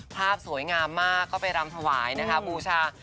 ภาพสวยงามมากก็ไปรำถวายนะคะบูชา